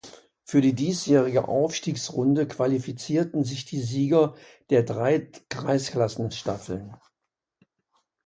Für die diesjährige Aufstiegsrunde qualifizierten sich die Sieger der drei Kreisklassenstaffeln.